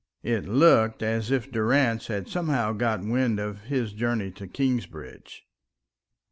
It looked as if Durrance had somehow got wind of his journey to Kingsbridge.